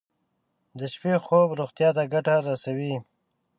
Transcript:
د شپې خوب روغتیا ته ګټه رسوي.